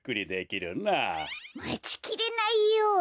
まちきれないよ。